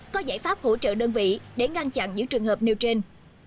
có giải pháp hỗ trợ đơn vị để ngăn chặn những trường hợp nêu trên